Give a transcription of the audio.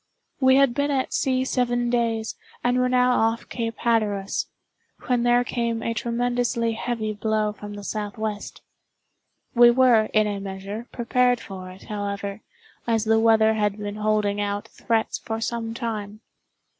We had been at sea seven days, and were now off Cape Hatteras, when there came a tremendously heavy blow from the southwest. We were, in a measure, prepared for it, however, as the weather had been holding out threats for some time.